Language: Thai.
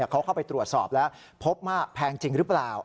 เขาเข้าไปตรวจสอบแล้วพบว่าแพงจริงหรือเปล่า